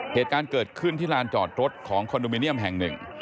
เหตุการณ์เกิดขึ้นที่ลานจอดรถของคอนโดมิเนียมแห่งหนึ่ง